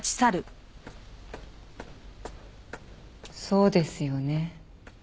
そうですよね。